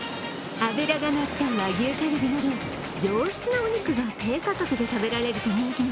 脂が乗った和牛カルビなど上質なお肉が低価格で食べられると人気の